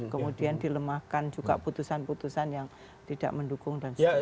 kemudian dilemahkan juga putusan putusan yang tidak mendukung dan sebagainya